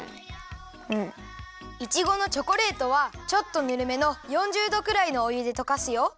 イチゴのチョコレートはちょっとぬるめの４０どくらいのおゆでとかすよ。